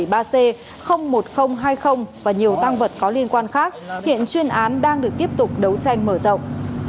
và nhiều tăng vật có liên quan khác hiện chuyên án đang được tiếp tục đấu tranh mở rộng